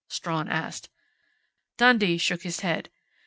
Strawn asked. Dundee shook his head.